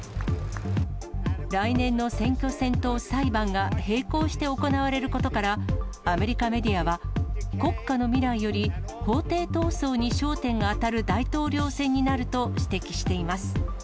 来年の選挙戦と裁判が並行して行われることから、アメリカメディアは、国家の未来より法廷闘争に焦点が当たる大統領選になると指摘しています。